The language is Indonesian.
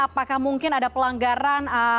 apakah mungkin ada pelanggaran